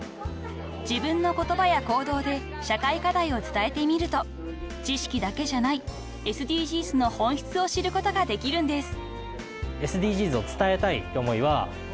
［自分の言葉や行動で社会課題を伝えてみると知識だけじゃないＳＤＧｓの本質を知ることができるんです］